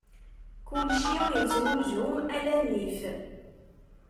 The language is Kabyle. Kulci ittnuzu ala nnif.